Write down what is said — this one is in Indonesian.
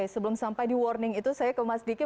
jadi kalau saya di warning itu saya ke mas diki